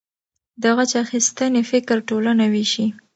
د غچ اخیستنې فکر ټولنه ویشي.